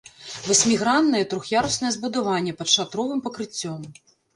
Васьміграннае трох'яруснае збудаванне пад шатровым пакрыццём.